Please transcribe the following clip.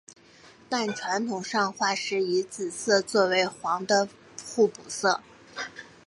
但传统上画师以紫色作为黄的互补色。